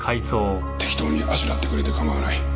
適当にあしらってくれて構わない。